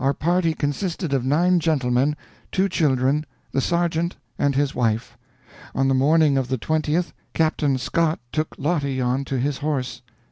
Our party consisted of nine gentlemen, two children, the sergeant and his wife. On the morning of the twentieth, Captain Scott took Lottie on to his horse.